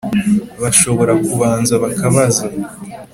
Bashobora kubanza bakabaza.